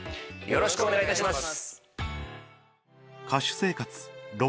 よろしくお願いします。